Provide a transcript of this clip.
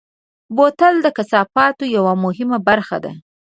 بوتل د کثافاتو یوه مهمه برخه ده.